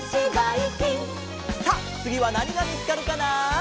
さあつぎはなにがみつかるかな？